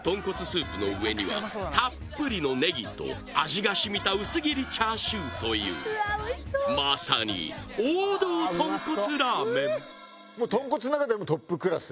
スープの上にはたっぷりのネギと味が染みた薄切りチャーシューというまさに王道とんこつラーメンとんこつの中でもトップクラス？